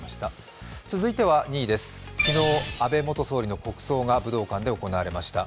続いては２位です、昨日安倍元総理の国葬が武道館で行われました。